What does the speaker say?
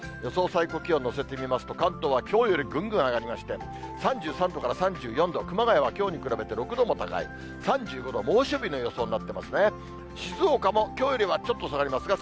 最高気温、載せてみますと、関東はきょうよりぐんぐん上がりまして、３３度から３４度、熊谷はきょうに比べて６度も高い、３５度、猛暑日の予想になってますね。